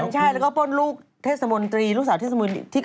ใช่แล้วก็เป็นป้นลูกเทศมนตรีลูกสาวททศลี้